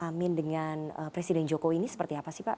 amin dengan presiden joko ini seperti apa sih pak